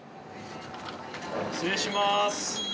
失礼します。